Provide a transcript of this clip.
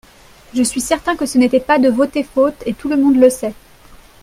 Je suis certain que ce n'était pas de voter faute et tout le monde le sait.